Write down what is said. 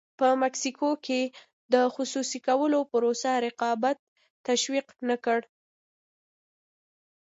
په مکسیکو کې د خصوصي کولو پروسه رقابت تشویق نه کړ.